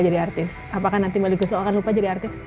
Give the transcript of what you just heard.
jadi artis apakah nanti meli guslau akan lupa jadi artis